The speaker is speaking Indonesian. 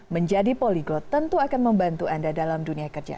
menjadi poliglo tentu akan membantu anda dalam dunia kerja